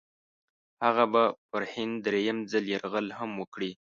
هغه به پر هند درېم ځل یرغل هم وکړي.